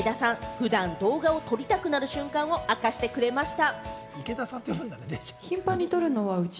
普段、動画を撮りたくなる瞬間を明かしてくれました。